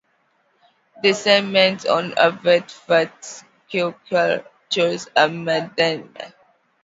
Décidément, on avait fait quelque chose à madame.